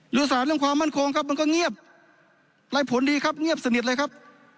หรือสารเรื่องความมั่นคงครับมันก็เงียบได้ผลดีครับเงียบสนิทเลยครับ